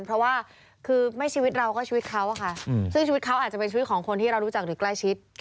เพราะว่าคือไม่ชีวิตเราก็ชีวิตเขาอะค่ะซึ่งชีวิตเขาอาจจะเป็นชีวิตของคนที่เรารู้จักหรือใกล้ชิด